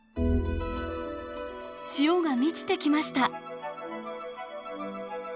潮が満ちてきました。